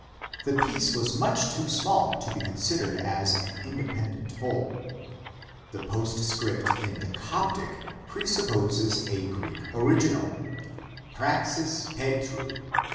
The piece was much too small to be considered as an independent whole. The post script in the Coptic presupposes a Greek original, "praxis Tetru."